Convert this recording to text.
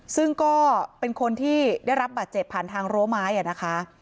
ซึ่งก็เป็นคนที่ได้รับบาดเจ็บผ่านทางรั้วไม้นะคะ